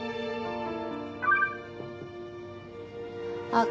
あっ。